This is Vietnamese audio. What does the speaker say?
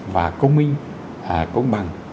và công minh công bằng